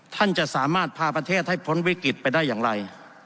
ท่านจะสามารถพาประเทศให้พ้นวิกฤตไปได้อย่างไร